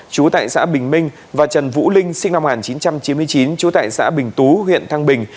chú tại xã bình minh và trần vũ linh sinh năm một nghìn chín trăm chín mươi chín trú tại xã bình tú huyện thăng bình